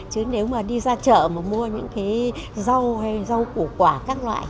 chứ nếu mà đi ra chợ mà mua những cái rau hay rau củ quả các loại